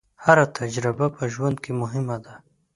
هره تجربه په ژوند کې مهمه ده.